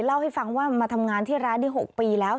เล่าให้ฟังว่ามาทำงานที่ร้านได้๖ปีแล้ว